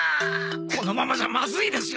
このままじゃまずいですよ！